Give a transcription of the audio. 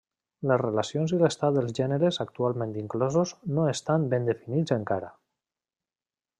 Les relacions i l'estat dels gèneres actualment inclosos no estan ben definits encara.